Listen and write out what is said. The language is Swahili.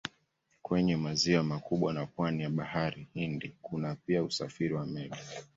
Kwenye maziwa makubwa na pwani ya Bahari Hindi kuna pia usafiri wa meli.